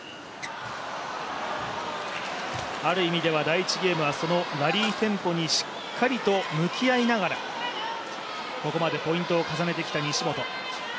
ある意味では第１ゲームはそのラリーテンポにしっかりと向き合いながらここまでポイントを重ねてきた西本。